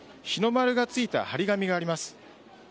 日の丸がついた貼り紙があります。